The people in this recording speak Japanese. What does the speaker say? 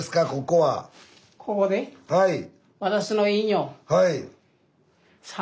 はい。